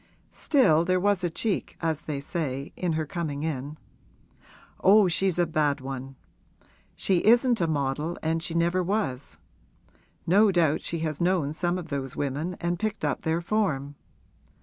Still, there was a cheek, as they say, in her coming in. Oh, she's a bad one! She isn't a model and she never was; no doubt she has known some of those women and picked up their form.